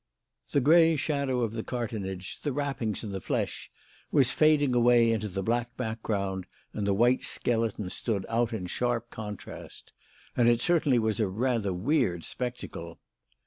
The grey shadow of the cartonnage, the wrappings and the flesh was fading away into the black background and the white skeleton stood out in sharp contrast. And it certainly was a rather weird spectacle.